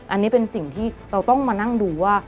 อันนี้เป็นสิ่งที่เราต้องมานั่งดูว่า